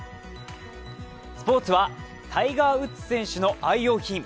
スポーツはタイガー・ウッズ選手の愛用品。